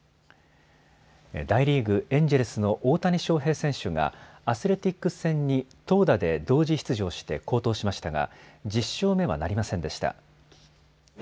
大リーグ、エンジェルスの大谷翔平選手がアスレティックス戦に投打で同時出場して好投しましたが１０勝目はなりませんでした。